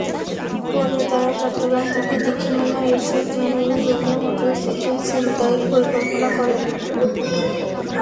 পরে তাঁরা চট্টগ্রাম থেকে দীঘিনালা এসে দুজনে মোটরসাইকেল ছিনতাইয়ের পরিকল্পনা করেন।